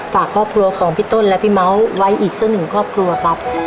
ฝากครอบครัวของพี่ต้นและพี่เมาส์ไว้อีกสักหนึ่งครอบครัวครับ